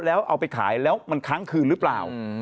แล้วเอาไปขายแล้วมันค้างคืนหรือเปล่า